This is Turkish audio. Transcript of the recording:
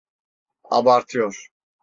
Abartıyor.